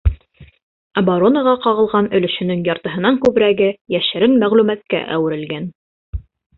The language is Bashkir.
Оборонаға ҡағылған өлөшөнөң яртыһынан күберәге йәшерен мәғлүмәткә әүерелгән.